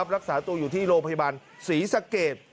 รักษาตัวอยู่ที่โรงพยาบาลศรีสะเกด